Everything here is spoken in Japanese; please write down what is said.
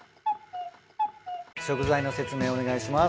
食材の説明お願いします。